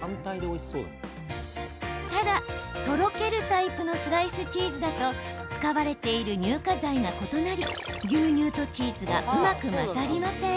ただ、とろけるタイプのスライスチーズだと使われている乳化剤が異なり牛乳とチーズがうまく混ざりません。